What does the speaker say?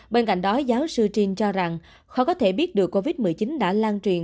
bên cạnh đó giáo sư trin cho rằng khó có thể biết được covid một mươi chín đã lan truyền